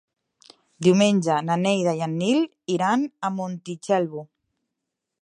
Diumenge na Neida i en Nil iran a Montitxelvo.